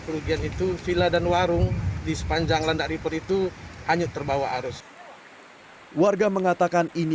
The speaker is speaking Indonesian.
kerugian itu villa dan warung di sepanjang landak riper itu hanyut terbawa arus warga mengatakan ini